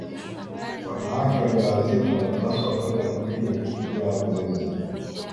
wanawake wajawazito wanapaswa kwenda kliniki kila mwezi